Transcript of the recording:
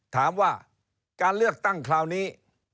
ถามว่าการเลือกตั้งคราวนี้